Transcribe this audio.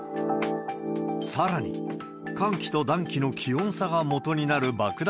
さらに、寒気と暖気の気温差がもとになる爆弾